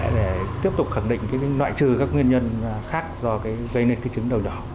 để tiếp tục khẳng định cái nội trừ các nguyên nhân khác do gây nên trứng đầu nhỏ